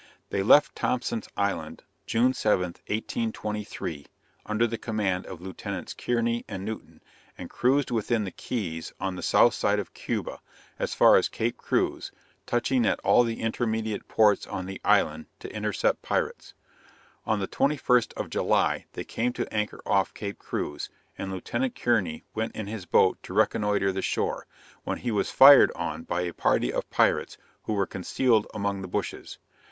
They left Thompson's Island June 7, 1823, under the command of Lieuts. Kearney and Newton, and cruised within the Key's on the south side of Cuba, as far as Cape Cruz, touching at all the intermediate ports on the island, to intercept pirates. On the 21st of July, they came to anchor off Cape Cruz, and Lieut. Kearney went in his boat to reconnoitre the shore, when he was fired on by a party of pirates who were concealed among the bushes.